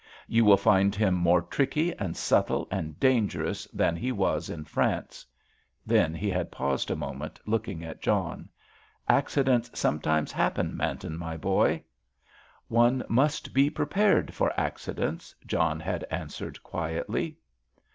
You will find him more tricky and subtle and dangerous than he was in France"—then he had paused a moment, looking at John. "Accidents sometimes happen, Manton, my boy!" "One must be prepared for accidents," John had answered, quietly.